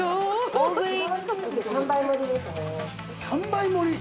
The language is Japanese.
３倍盛り。